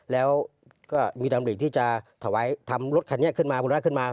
แล้วก็มีดำริที่จะถวายทำรถคันนี้ขึ้นมาคุณรัฐขึ้นมา